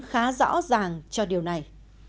khá rõ ràng cho điều này